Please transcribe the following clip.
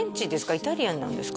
イタリアンなんですか？